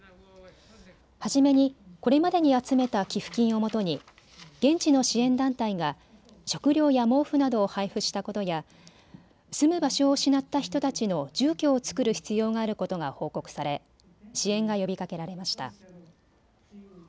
初めにこれまでに集めた寄付金をもとに現地の支援団体が食料や毛布などを配布したことや住む場所を失った人たちの住居をつくる必要があることが報告され支援が呼びかけられました。